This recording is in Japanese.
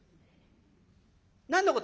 「何のこと？」。